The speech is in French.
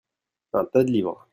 Un tas de livres.